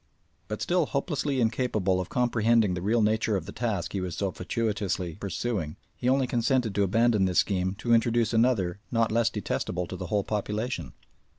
But still hopelessly incapable of comprehending the real nature of the task he was so fatuitously pursuing, he only consented to abandon this scheme to introduce another not less detestable to the whole population.